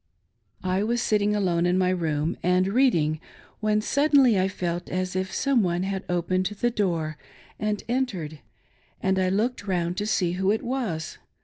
I was sitting alone in my, room, and reading, when suddenly I felt as if some one had opened the door and entered, and I looked round to see who it was.